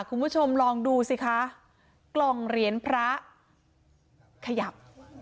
คุณผู้ชมลองดูสิคะกล่องเหรียญพระขยับ